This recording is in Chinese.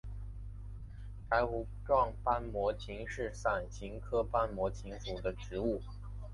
柴胡状斑膜芹是伞形科斑膜芹属的植物。